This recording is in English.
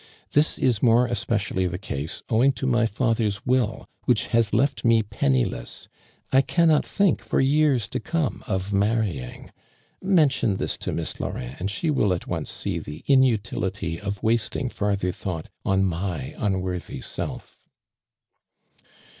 This is more especially the case, owing to my father's will, which has left me penniless. I cannot think, lor years to come, of marrying. Mention tliis to Miss Laurin and she will at once see tlie inutility of wasting farther thought on my unworthy self."